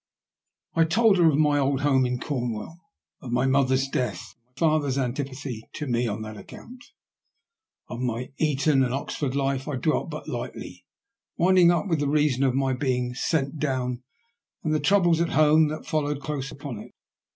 I told her of my old home in Corn wall, of my mother's death, and my father's antipathy to me on that account. On my Eton and Oxford life I dwelt but lightly, winding up with the reason of my being ''sent down," and the troubles at home that followed close upon it.